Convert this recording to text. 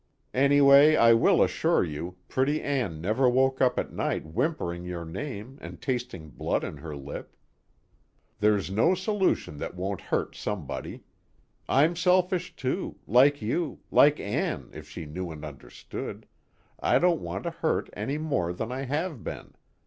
Anyway I will assure you, pretty Ann never woke up at night whimpering your name and tasting blood on her lip. "There's no solution that won't hurt somebody. I'm selfish too like you, like Ann if she knew and understood, I don't want to be hurt any more than I have been.